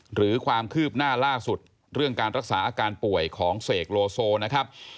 หรือความคืบหน้าล่าสุดเรื่องการรักษาอาการป่วยของเสกโลโซนะครับ